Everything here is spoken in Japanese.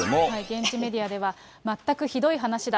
現地メディアでは、全くひどい話だ。